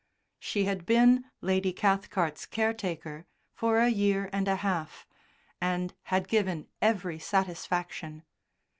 She had been Lady Cathcart's caretaker for a year and a half, and had given every satisfaction.